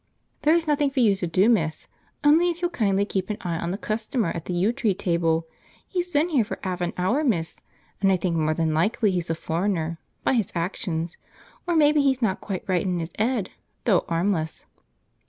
There is nothing for you to do, miss, only if you'll kindly keep an eye on the customer at the yew tree table. He's been here for 'alf an hour, miss, and I think more than likely he's a foreigner, by his actions, or may be he's not quite right in his 'ead, though 'armless.